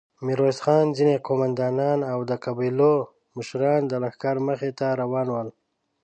ميرويس خان، ځينې قوماندانان او د قبيلو مشران د لښکر مخې ته روان ول.